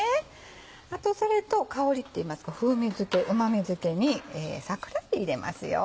あとそれと香りっていいますか風味づけうま味づけに桜えび入れますよ。